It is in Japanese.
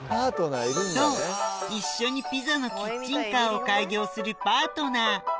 そう一緒にピザのキッチンカーを開業するパートナー